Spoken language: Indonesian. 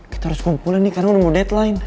kita harus kumpulin nih karena udah mulu deadline